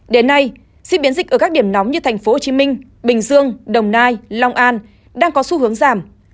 đến nay diễn biến dịch ở các điểm nóng như thành phố hồ chí minh bình dương đồng nai long an đang có xu hướng giảm